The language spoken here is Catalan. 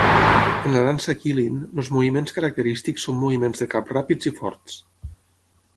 En la dansa qilin, els moviments característics són moviments de cap ràpids i forts.